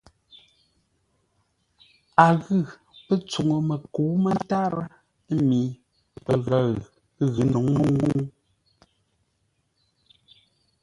A ghʉ pə́ tsuŋu məkə̌u mə́ntárə́ mi pəghəʉ ghʉ̌ nǔŋ mə́u.